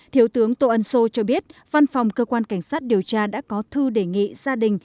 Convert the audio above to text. thiếu tướng tô ân sô cho biết văn phòng cơ quan cảnh sát điều tra đã có thư đề nghị gia đình